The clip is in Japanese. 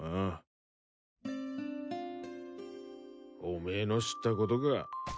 おめえの知ったことか。